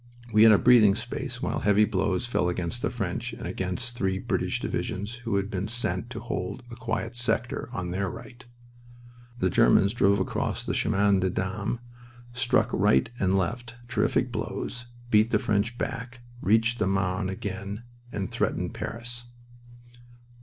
We had a breathing space while heavy blows fell against the French and against three British divisions who had been sent to hold "a quiet sector" on their right. The Germans drove across the Chemin des Dames, struck right and left, terrific blows, beat the French back, reached the Marne again, and threatened Paris.